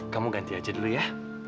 kamu ganti aja dulu ya